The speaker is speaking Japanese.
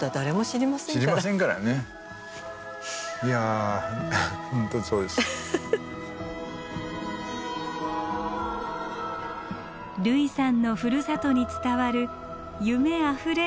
類さんのふるさとに伝わる夢あふれる歴史ロマンです。